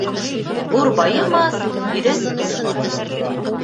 Бур байымаҫ, бирән туймаҫ.